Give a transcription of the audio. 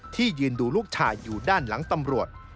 ยืนดูลูกชายอยู่ด้านหลังตำรวจ